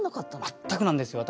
全くなんですよ私。